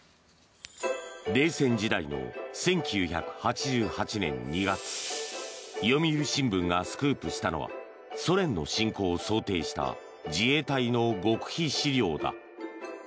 冷戦時代の１９８８年２月読売新聞がスクープしたのはソ連の侵攻を想定した自衛隊の極秘資料だ。